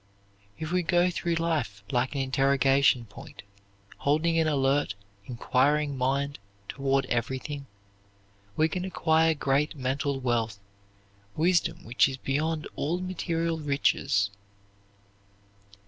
If we go through life like an interrogation point, holding an alert, inquiring mind toward everything, we can acquire great mental wealth, wisdom which is beyond all material riches.